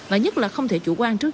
và nhất là không thể chủ quan trước